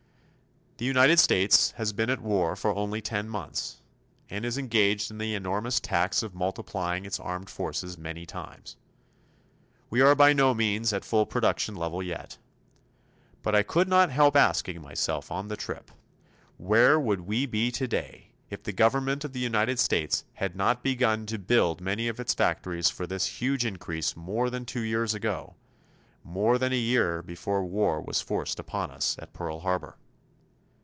The United States has been at war for only ten months, and is engaged in the enormous task of multiplying its armed forces many times. We are by no means at full production level yet. But I could not help asking myself on the trip, where would we be today if the government of the United States had not begun to build many of its factories for this huge increase more than two years ago, more than a year before war was forced upon us at Pearl Harbor?